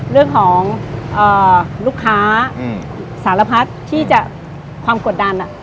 เรื่องของลูกค้าสารพัดที่จะความกดดัน